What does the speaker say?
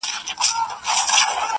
د مرګي لښکري بند پر بند ماتیږي؛